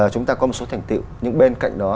chúng ta có một số thành tiệu nhưng bên cạnh đó